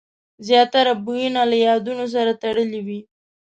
زیاتره بویونه له یادونو سره تړلي وي.